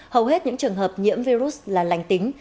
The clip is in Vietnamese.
hầu hết những trường hợp nhiễm virus là lành tính